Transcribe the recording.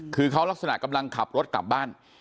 คือเขาลักษณะกำลังขับรถกลับบ้าน